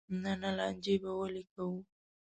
نه نه لانجې به ولې کوو.